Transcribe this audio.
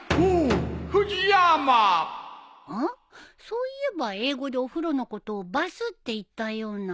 そういえば英語でお風呂のことをバスっていったような